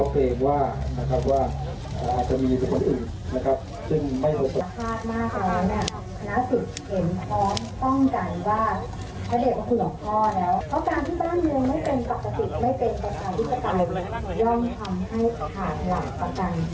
ให้ถามแถลงประกันทฤทธิประทานาคปกฎร์